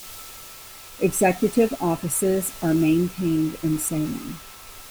Executive offices are maintained in Salem.